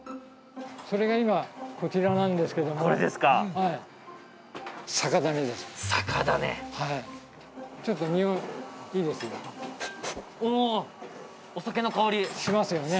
それが今こちらなんですけどもこれですかはいおおしますよね？